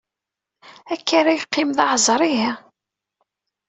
Akka ara yeqqim d aɛezri?